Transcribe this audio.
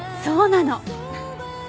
そうなの。